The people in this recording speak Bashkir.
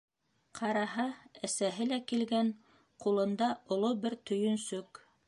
Ҡараһа, әсәһе лә килгән, ҡулында оло бер төйөнсөк.